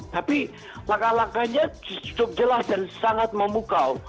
tapi langkah langkahnya cukup jelas dan sangat memukau